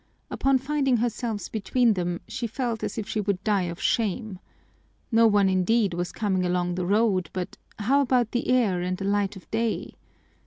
Upon finding herself between them she felt as if she would die of shame. No one indeed was coming along the road, but how about the air and the light of day?